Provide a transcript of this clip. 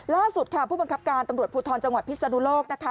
ล่าสุดค่ะผู้บังคับการตำรวจภูทรจังหวัดพิศนุโลกนะคะ